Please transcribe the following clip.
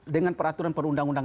dengan peraturan perundang undang